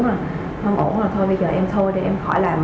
không ổn rồi thôi bây giờ em thôi đi em khỏi làm